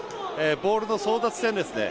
ボールの争奪戦ですね。